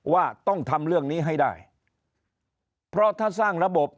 ว่าต้องทำเรื่องนี้ให้ได้เพราะถ้าสร้างระบบ